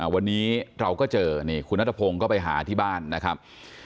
วันนี้เราก็เจอนี่คุณภี่นัทภพงษ์ก็ไปหาอาทิบาลครับ